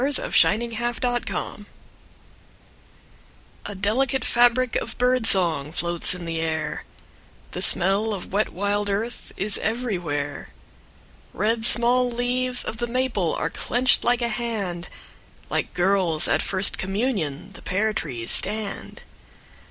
VI The Dark Cup May Day A delicate fabric of bird song Floats in the air, The smell of wet wild earth Is everywhere. Red small leaves of the maple Are clenched like a hand, Like girls at their first communion The pear trees stand.